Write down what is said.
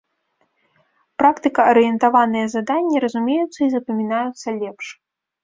Практыка-арыентаваныя заданні разумеюцца і запамінаюцца лепш.